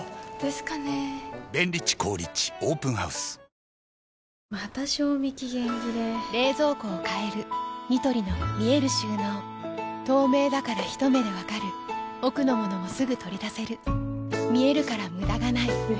ただ、うちの犬は落ち着くとかじまた賞味期限切れ冷蔵庫を変えるニトリの見える収納透明だからひと目で分かる奥の物もすぐ取り出せる見えるから無駄がないよし。